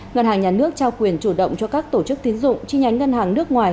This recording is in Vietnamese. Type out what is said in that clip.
ngân hàng nhà nước trao quyền chủ động cho các tổ chức tiến dụng chi nhánh ngân hàng nước ngoài